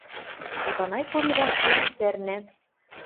Эпанай Кори ваштылаш цӓрнӓ.